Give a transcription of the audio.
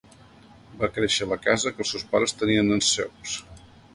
Va créixer a la casa que els seus pares tenien en Sceaux.